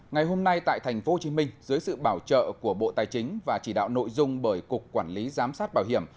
ngày hôm nay tại tp hcm dưới sự bảo trợ của bộ tài chính và chỉ đạo nội dung bởi cục quản lý giám sát bảo hiểm